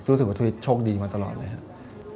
รู้สึกว่าทวิตโชคดีมาตลอดเลยครับ